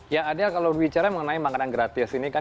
ya adel kalau bicara mengenai makanan gratis ini kan